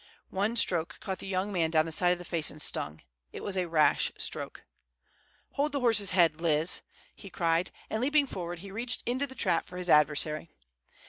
One stroke caught the young man down the side of the face, and stung. It was a rash stroke. "Hold the horse's head, Liz," he cried; and, leaping forward, he reached into the trap for his adversary.